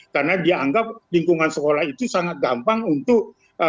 karena dia anggap lingkungan sekolah itu adalah hal yang harus dilakukan